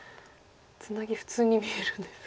ツナギ普通に見えるんですが。